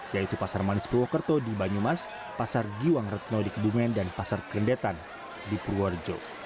yaitu pasar manis purwokerto di banyumas pasar giwang retno di kebumen dan pasar kerendetan di purworejo